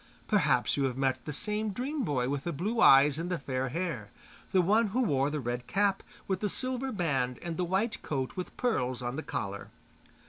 Perhaps you have met the same dream boy with the blue eyes and the fair hair, the one who wore the red cap with the silver band and the white coat with pearls on the collar.